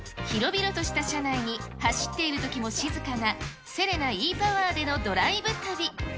広々とした車内に走っているときも静かなセレナｅーＰＯＷＥＲでのドライブ旅。